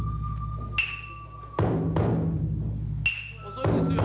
遅いですよ。